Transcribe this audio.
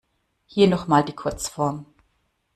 Hier noch mal die Kurzform.